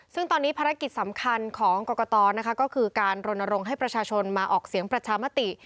ซึ่งตอนนี้ภารกิจสำคัญของกรกตนะคะก็คือการรณรงค์ให้ประชาชนมาออกเสียงประชามติ